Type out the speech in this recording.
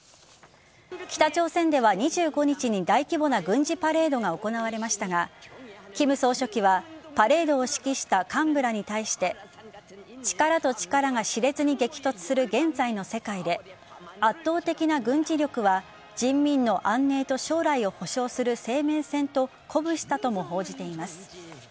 北朝鮮では２５日に大規模な軍事パレードが行われましたが金総書記はパレードを指揮した幹部らに対して力と力が熾烈に激突する現在の世界で圧倒的な軍事力は人民の安寧と将来を保証する生命線と鼓舞したとも報じています。